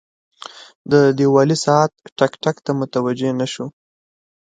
د دیوالي ساعت ټک، ټک ته متوجه نه شو.